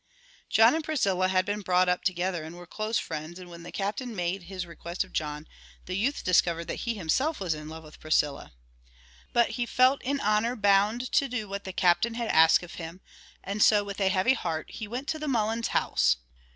John and Priscilla had been brought up together and were close friends, and when the Captain made his request of John the youth discovered that he himself was in love with Priscilla. But he felt in honor bound to do what the Captain asked of him, and so, with a heavy heart he went to the Mullins house.